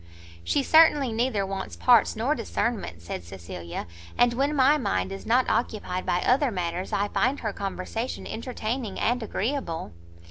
"She certainly neither wants parts nor discernment," said Cecilia; "and, when my mind is not occupied by other matters, I find her conversation entertaining and agreeable."